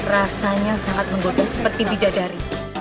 rasanya sangat menggoda seperti bidadari